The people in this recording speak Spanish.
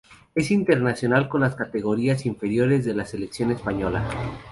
Es internacional con las categorías inferiores de la selección española.